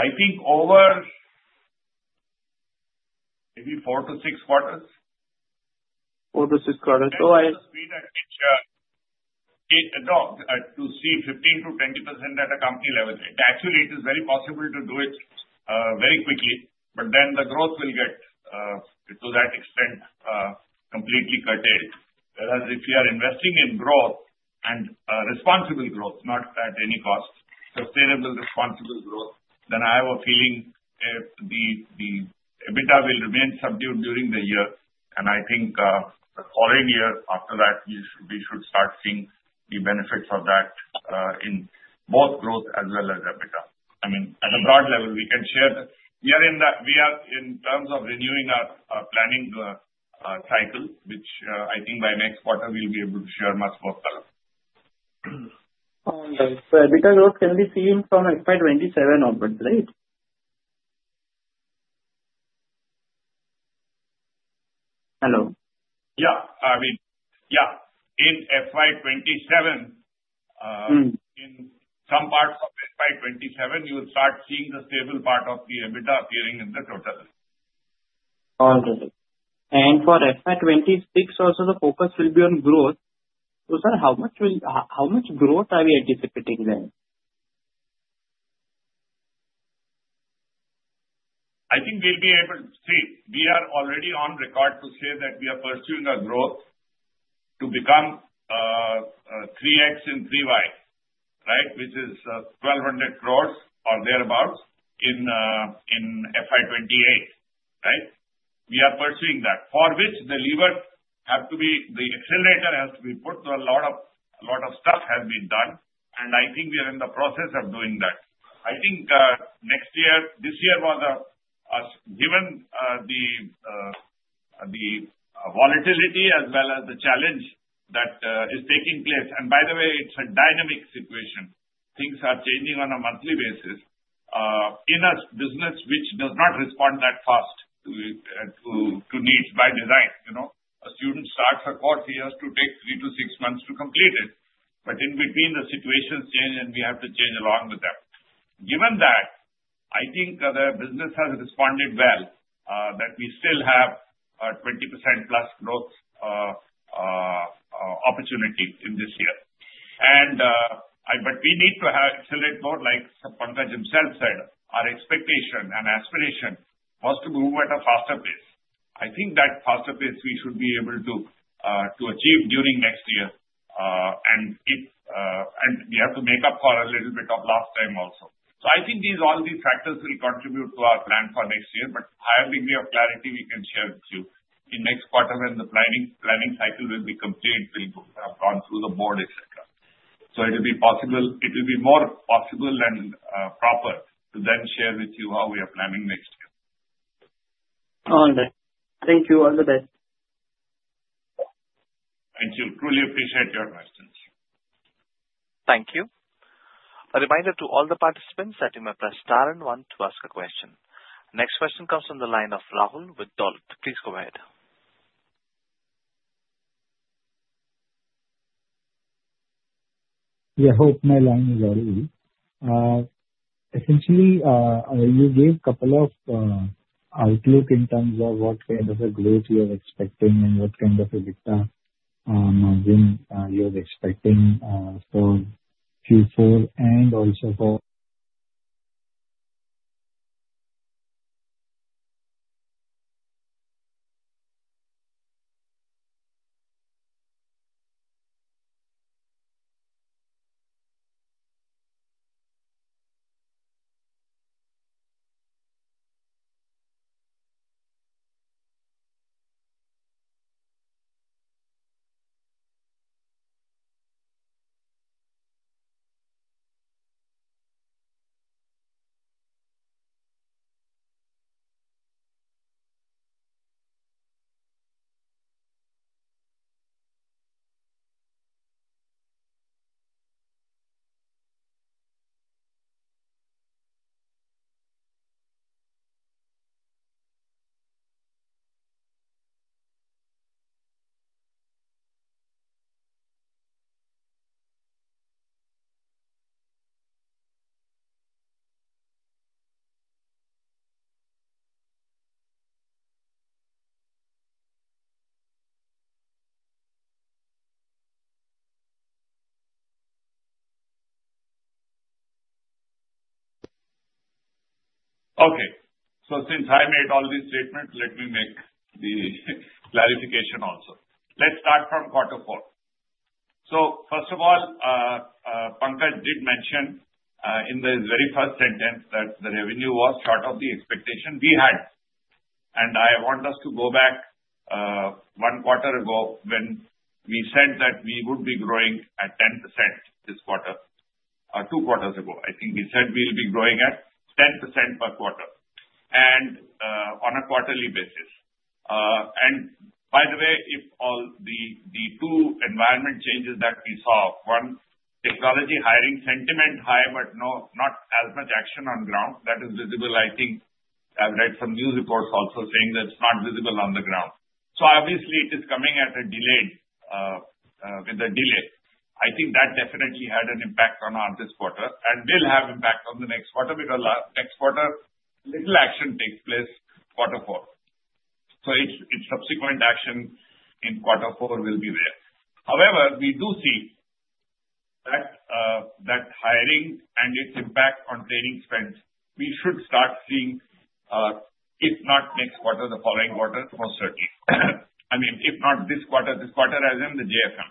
I think over maybe four to six quarters. Four to six quarters. So I. To see 15%-20% at a company level, actually, it is very possible to do it very quickly. But then the growth will get to that extent completely curtailed. Whereas if you are investing in growth and responsible growth, not at any cost, sustainable responsible growth, then I have a feeling the EBITDA will remain subdued during the year, and I think the following year after that, we should start seeing the benefits of that in both growth as well as EBITDA. I mean, at a broad level, we can share that we are in terms of renewing our planning cycle, which I think by next quarter we'll be able to share much more color. All right. So EBITDA growth can be seen from FY 2027 onwards, right? Hello. Yeah. I mean, yeah. In FY 2027, in some parts of FY 2027, you will start seeing the stable part of the EBITDA appearing in the total. All right. And for FY 2026, also the focus will be on growth. So sir, how much growth are we anticipating then? I think we'll be able to see. We are already on record to say that we are pursuing a growth to become 3X and 3Y, right, which is 1,200 gross or thereabouts in FY 2028, right? We are pursuing that, for which the lever have to be the accelerator has to be put. A lot of stuff has been done, and I think we are in the process of doing that. I think next year, this year, given the volatility as well as the challenge that is taking place, and by the way, it's a dynamic situation. Things are changing on a monthly basis in a business which does not respond that fast to needs by design. A student starts a course, he has to take three to six months to complete it, but in between, the situations change and we have to change along with them. Given that, I think the business has responded well, that we still have 20% + growth opportunity in this year, but we need to accelerate more, like Pankaj himself said, our expectation and aspiration was to move at a faster pace. I think that faster pace we should be able to achieve during next year, and we have to make up for a little bit of lost time also, so I think all these factors will contribute to our plan for next year, but higher degree of clarity we can share with you in next quarter when the planning cycle will be complete, will have gone through the board, etc., so it will be possible it will be more possible and proper to then share with you how we are planning next year. All right. Thank you. All the best. Thank you. Truly appreciate your questions. Thank you. A reminder to all the participants that you may press star and one to ask a question. Next question comes from the line of Rahul with Dolat. Please go ahead. Yeah. Hope my line is all right. Essentially, you gave a couple of outlook in terms of what kind of a growth you're expecting and what kind of EBITDA margin you're expecting for Q4 and also for. Okay. So since I made all these statements, let me make the clarification also. Let's start from quarter four. So first of all, Pankaj did mention in the very first sentence that the revenue was short of the expectation we had. And I want us to go back one quarter ago when we said that we would be growing at 10% this quarter. Two quarters ago, I think we said we'll be growing at 10% per quarter and on a quarterly basis. And by the way, of all the two environmental changes that we saw, one technology hiring sentiment high, but not as much action on ground, that is visible. I think I've read some news reports also saying that it's not visible on the ground. So obviously, it is coming with a delay. I think that definitely had an impact on this quarter and will have impact on the next quarter because next quarter, little action takes place quarter four. So its subsequent action in quarter four will be there. However, we do see that hiring and its impact on training spend, we should start seeing if not next quarter, the following quarter most certainly. I mean, if not this quarter, this quarter as in the JFM,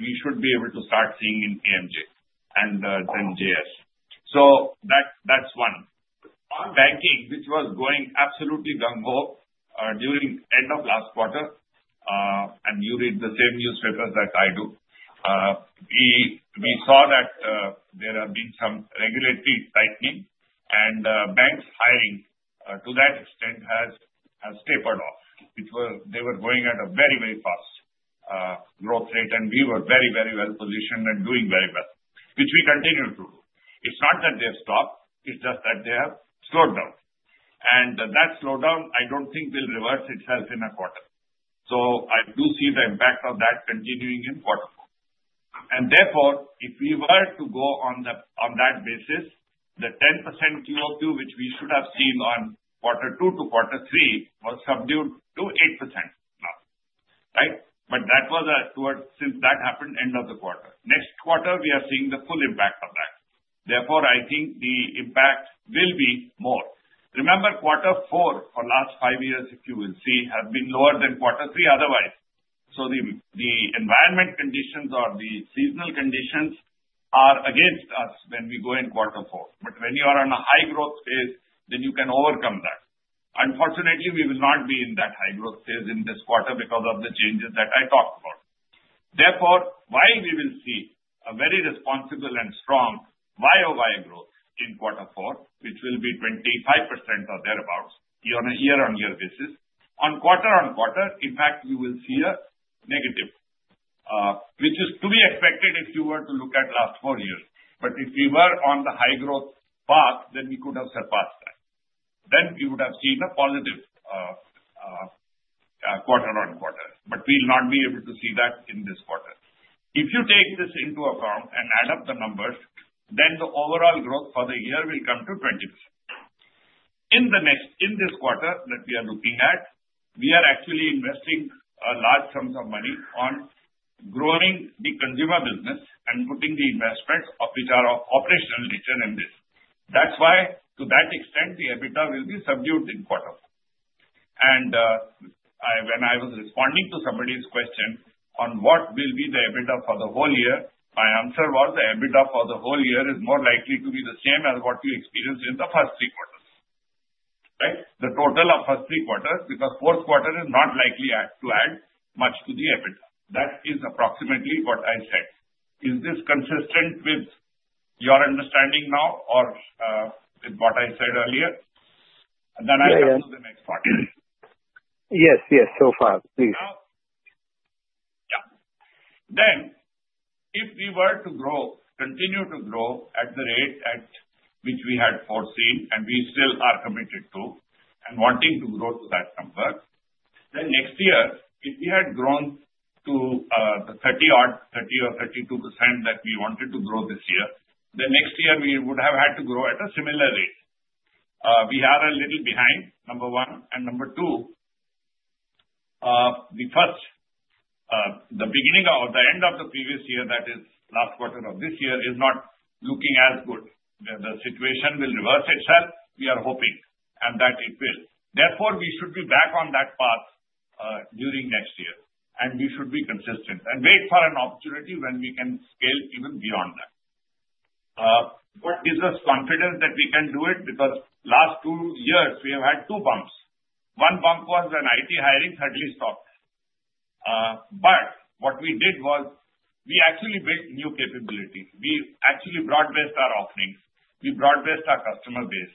we should be able to start seeing in AMJ and then JS. So that's one. Banking, which was going absolutely gumbo during end of last quarter, and you read the same newspapers that I do, we saw that there have been some regulatory tightening and banks hiring to that extent has tapered off. They were going at a very, very fast growth rate and we were very, very well positioned and doing very well, which we continue to do. It's not that they have stopped. It's just that they have slowed down. And that slowdown, I don't think will reverse itself in a quarter. So I do see the impact of that continuing in quarter four. And therefore, if we were to go on that basis, the 10% QoQ, which we should have seen on quarter two to quarter three, was subdued to 8% now, right? But that was towards since that happened end of the quarter. Next quarter, we are seeing the full impact of that. Therefore, I think the impact will be more. Remember, quarter four for last five years, if you will see, has been lower than quarter three otherwise. The environment conditions or the seasonal conditions are against us when we go in quarter four. But when you are on a high growth phase, then you can overcome that. Unfortunately, we will not be in that high growth phase in this quarter because of the changes that I talked about. Therefore, while we will see a very respectable and strong YoY growth in quarter four, which will be 25% or thereabouts on a year-on-year basis, on quarter-on-quarter, in fact, you will see a negative, which is to be expected if you were to look at last four years. But if we were on the high growth path, then we could have surpassed that. Then we would have seen a positive quarter-on-quarter. But we'll not be able to see that in this quarter. If you take this into account and add up the numbers, then the overall growth for the year will come to 20%. In this quarter that we are looking at, we are actually investing large sums of money on growing the consumer business and putting the investments which are operationally determined. That's why to that extent, the EBITDA will be subdued in quarter, and when I was responding to somebody's question on what will be the EBITDA for the whole year, my answer was the EBITDA for the whole year is more likely to be the same as what you experienced in the first three quarters, right? The total of first three quarters because fourth quarter is not likely to add much to the EBITDA. That is approximately what I said. Is this consistent with your understanding now or with what I said earlier? And then I'll come to the next quarter. Yes. Yes. So far, please. Yeah. Then if we were to grow, continue to grow at the rate at which we had foreseen and we still are committed to and wanting to grow to that number, then next year, if we had grown to the 30% or 32% that we wanted to grow this year, then next year we would have had to grow at a similar rate. We are a little behind, number one. And number two, the beginning or the end of the previous year, that is last quarter of this year, is not looking as good. The situation will reverse itself, we are hoping, and that it will. Therefore, we should be back on that path during next year. And we should be consistent and wait for an opportunity when we can scale even beyond that. What gives us confidence that we can do it? Because last two years, we have had two bumps. One bump was when IT hiring suddenly stopped. But what we did was we actually built new capabilities. We actually broadcast our offerings. We broadcast our customer base.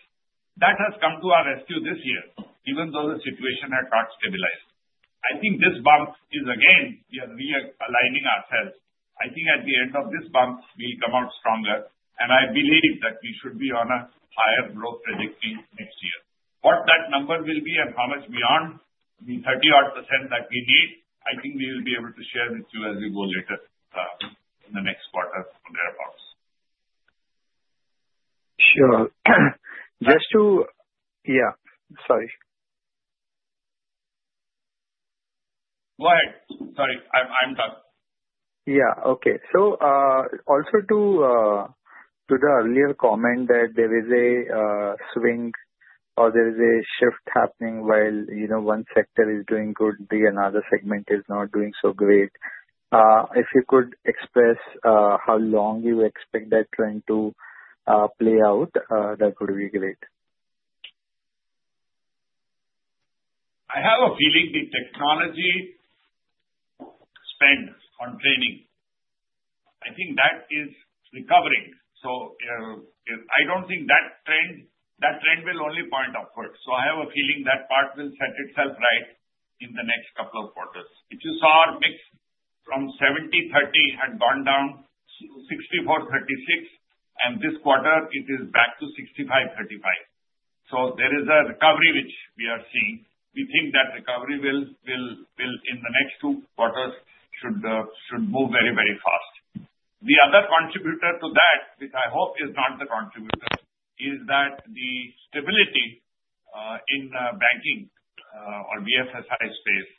That has come to our rescue this year, even though the situation had not stabilized. I think this bump is again, we are realigning ourselves. I think at the end of this bump, we'll come out stronger. And I believe that we should be on a higher growth trajectory next year. What that number will be and how much beyond the 30-odd% that we need, I think we will be able to share with you as we go later in the next quarter or thereabouts. Sure. Just to yeah. Sorry. Go ahead. Sorry. I'm done. Yeah. Okay. So also to the earlier comment that there is a swing or there is a shift happening while one sector is doing good, the another segment is not doing so great. If you could express how long you expect that trend to play out, that would be great? I have a feeling the technology spend on training, I think that is recovering. So I don't think that trend will only point upward. So I have a feeling that part will set itself right in the next couple of quarters. If you saw our mix from 70/30 had gone down to 64/36, and this quarter, it is back to 65/35. So there is a recovery which we are seeing. We think that recovery will, in the next two quarters, should move very, very fast. The other contributor to that, which I hope is not the contributor, is that the stability in banking or BFSI space.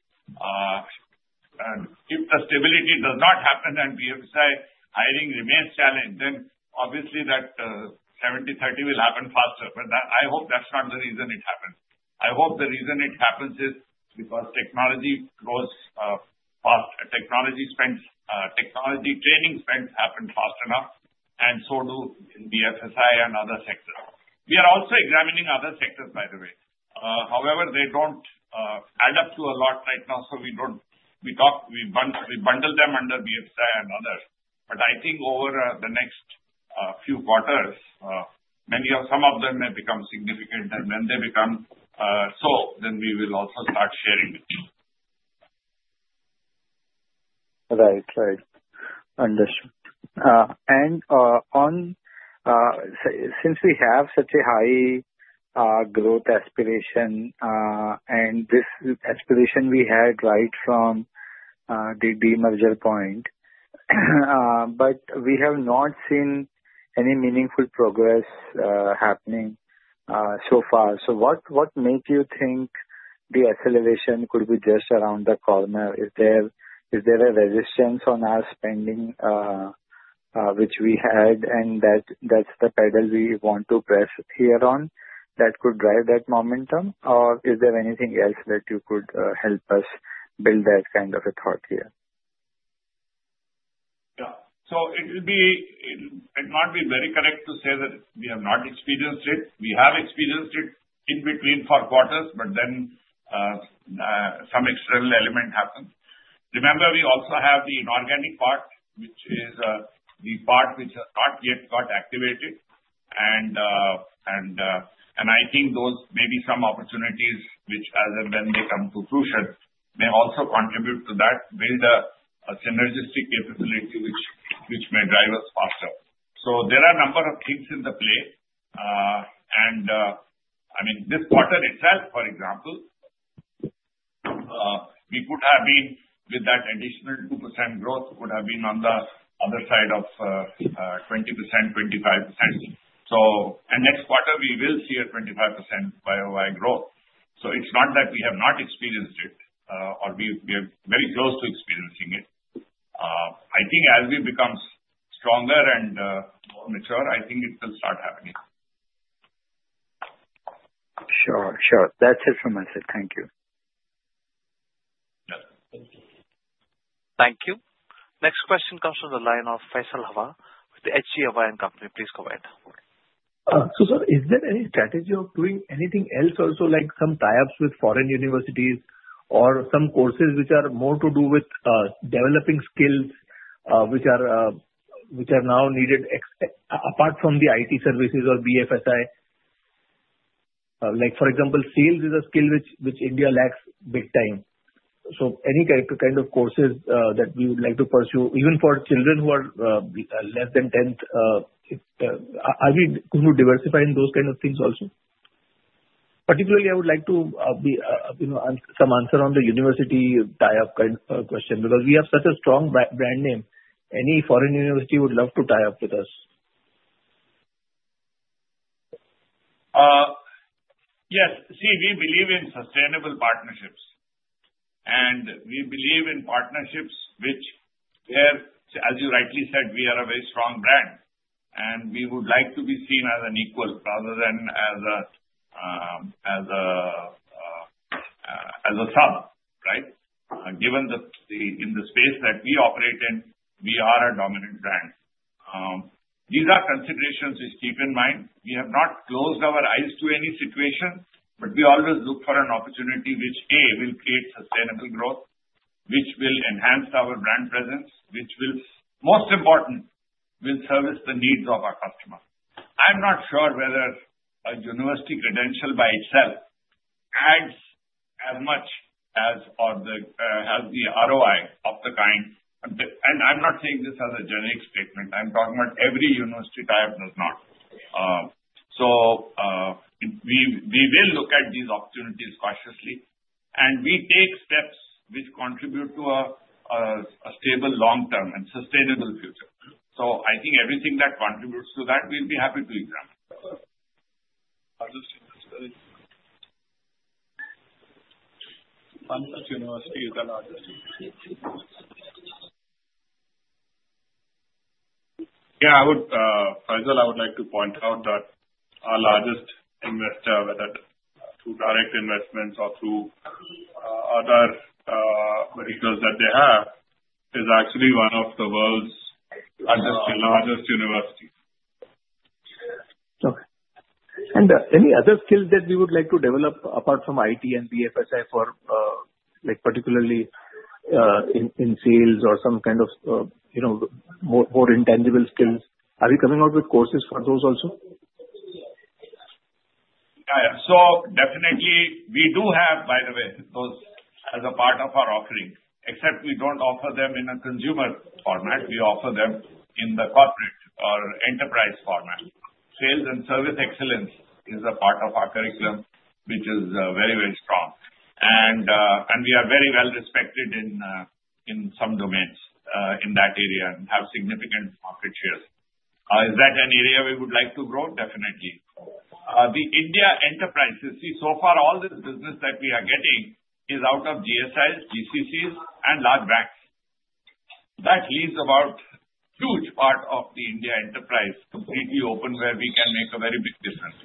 If the stability does not happen and BFSI hiring remains challenged, then obviously that 70/30 will happen faster. But I hope that's not the reason it happened. I hope the reason it happens is because technology grows faster. Technology training spend happened fast enough, and so do BFSI and other sectors. We are also examining other sectors, by the way. However, they don't add up to a lot right now, so we bundle them under BFSI and others. But I think over the next few quarters, some of them may become significant, and when they become so, then we will also start sharing it. Right. Right. Understood. And since we have such a high growth aspiration, and this aspiration we had right from the demerger point, but we have not seen any meaningful progress happening so far. So what makes you think the acceleration could be just around the corner? Is there a resistance on our spending which we had, and that's the pedal we want to press here on that could drive that momentum? Or is there anything else that you could help us build that kind of a thought here? Yeah. So it would not be very correct to say that we have not experienced it. We have experienced it in between four quarters, but then some external element happened. Remember, we also have the inorganic part, which is the part which has not yet got activated. And I think those may be some opportunities which, as and when they come to fruition, may also contribute to that, build a synergistic capability which may drive us faster. So there are a number of things in the play. And I mean, this quarter itself, for example, we could have been with that additional 2% growth, could have been on the other side of 20%-25%. So the next quarter, we will see a 25% revenue growth. So it's not that we have not experienced it, or we are very close to experiencing it. I think as we become stronger and more mature, I think it will start happening. Sure. Sure. That's it from my side. Thank you. Yes. Thank you. Thank you. Next question comes from the line of Faisal Hawa with H.G. Hawa & Co. Please go ahead. So sir, is there any strategy of doing anything else also, like some tie-ups with foreign universities or some courses which are more to do with developing skills which are now needed apart from the IT services or BFSI? For example, sales is a skill which India lacks big time. So any kind of courses that we would like to pursue, even for children who are less than 10, are we going to diversify in those kind of things also? Particularly, I would like to have some answer on the university tie-up kind of question because we have such a strong brand name. Any foreign university would love to tie up with us. Yes. See, we believe in sustainable partnerships. And we believe in partnerships which, as you rightly said, we are a very strong brand. And we would like to be seen as an equal rather than as a sub, right? Given that in the space that we operate in, we are a dominant brand. These are considerations we keep in mind. We have not closed our eyes to any situation, but we always look for an opportunity which, A, will create sustainable growth, which will enhance our brand presence, which will, most important, will service the needs of our customer. I'm not sure whether a university credential by itself adds as much as the ROI of the kind. And I'm not saying this as a generic statement. I'm talking about every university tie-up does not. So we will look at these opportunities cautiously, and we take steps which contribute to a stable long-term and sustainable future. So I think everything that contributes to that, we'll be happy to examine. Understood. Yeah. Faisal, I would like to point out that our largest investor, whether through direct investments or through other vehicles that they have, is actually one of the world's largest universities. Okay. And any other skills that we would like to develop apart from IT and BFSI, particularly in sales or some kind of more intangible skills? Are we coming out with courses for those also? Yeah. So definitely, we do have, by the way, those as a part of our offering, except we don't offer them in a consumer format. We offer them in the corporate or enterprise format. Sales and Service Excellence is a part of our curriculum, which is very, very strong. And we are very well respected in some domains in that area and have significant market shares. Is that an area we would like to grow? Definitely. The Indian enterprises, see, so far, all this business that we are getting is out of GSIs, GCCs, and large banks. That leaves about a huge part of the Indian enterprise completely open where we can make a very big difference.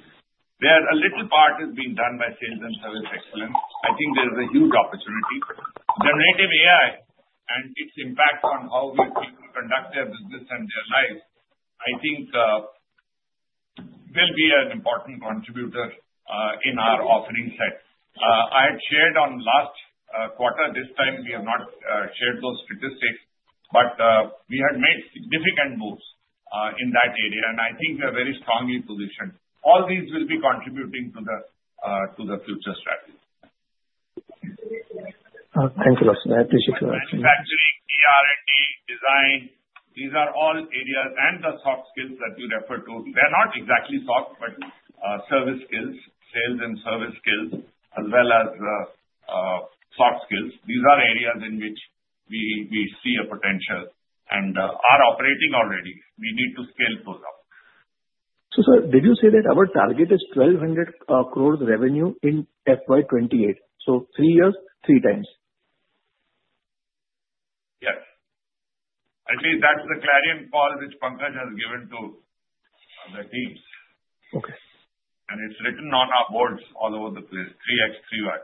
Where a little part is being done by Sales and Service Excellence, I think there is a huge opportunity. Generative AI and its impact on how we conduct their business and their lives, I think, will be an important contributor in our offering set. I had shared on last quarter. This time, we have not shared those statistics, but we had made significant moves in that area, and I think we are very strongly positioned. All these will be contributing to the future strategy. Thank you. I appreciate it. Manufacturing, ER&D, design, these are all areas, and the soft skills that you refer to, they're not exactly soft, but service skills, sales and service skills, as well as soft skills. These are areas in which we see a potential and are operating already. We need to scale those up. So sir, did you say that our target is 1,200 crores revenue in FY 2028? So three years, three times. Yes. Actually, that's the clarion call which Pankaj has given to the teams. And it's written on our boards all over the place, 3X, 3Y.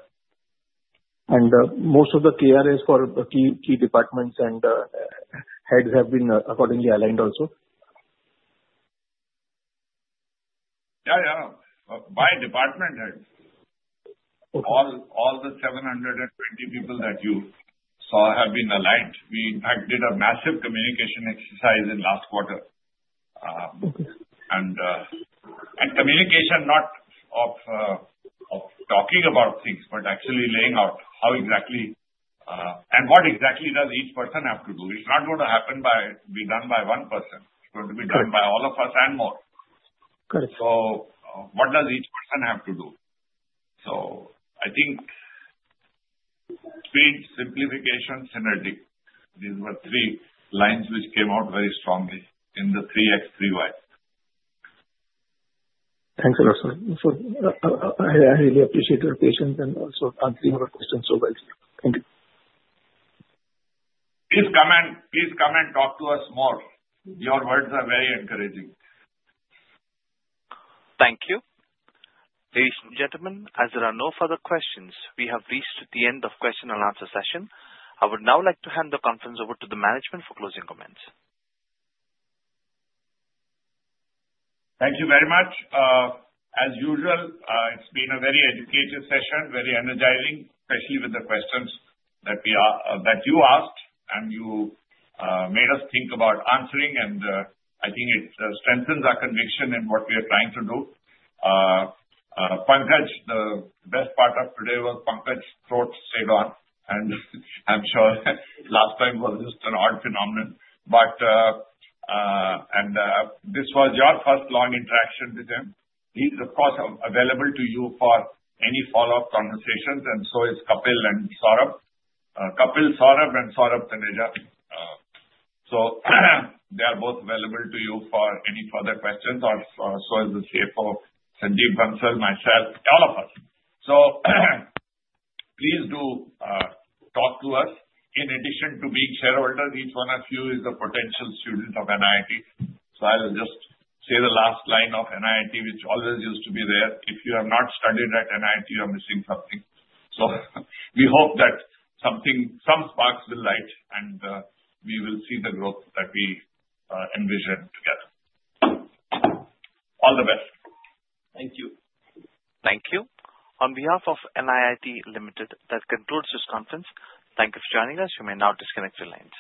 Most of the KRAs for the key departments and heads have been accordingly aligned also? Yeah, yeah. By department heads. All the 720 people that you saw have been aligned. We, in fact, did a massive communication exercise in last quarter, and communication, not of talking about things, but actually laying out how exactly and what exactly does each person have to do. It's not going to be done by one person. It's going to be done by all of us and more, so what does each person have to do, so I think speed, simplification, synergy. These were three lines which came out very strongly in the 3X, 3Y. Thank you, so much. I really appreciate your patience and also answering our questions so well. Thank you. Please come and talk to us more. Your words are very encouraging. Thank you. Ladies and gentlemen, as there are no further questions, we have reached the end of the question and answer session. I would now like to hand the conference over to the management for closing comments. Thank you very much. As usual, it's been a very educated session, very energizing, especially with the questions that you asked and you made us think about answering, and I think it strengthens our conviction in what we are trying to do. Pankaj, the best part of today was Pankaj's throat stayed on, and I'm sure last time was just an odd phenomenon, and this was your first long interaction with him. He's, of course, available to you for any follow-up conversations, and so is Kapil Saurabh. So they are both available to you for any further questions, or so is the CFO, Sanjeev Bansal, myself, all of us. So please do talk to us. In addition to being shareholders, each one of you is a potential student of NIIT. So I will just say the last line of NIIT, which always used to be there. If you have not studied at NIIT, you are missing something. So we hope that some sparks will light, and we will see the growth that we envision together. All the best. Thank you. Thank you. On behalf of NIIT Limited, that concludes this conference. Thank you for joining us. You may now disconnect your lines.